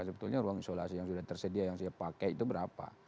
sebetulnya ruang isolasi yang sudah tersedia yang saya pakai itu berapa